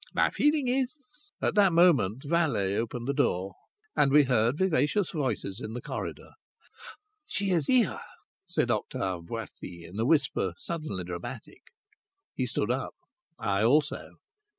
My feeling is " At that moment the valet opened the door and we heard vivacious voices in the corridor. "She is here," said Octave Boissy, in a whisper suddenly dramatic. He stood up; I also.